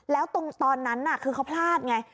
แล้วตอนนั้นคือเขาพลาดไง